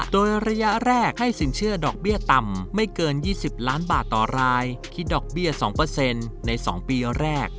โดยระยะแรกให้สินเชื่อดอกเบี้ยต่ำไม่เกิน๒๐ล้านบาทต่อรายคิดดอกเบี้ย๒ใน๒ปีแรก